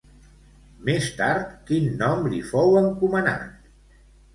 Més tard, quin nom li fou encomanat?